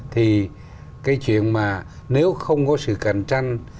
thì cái chuyện mà nếu không có sự cạnh tranh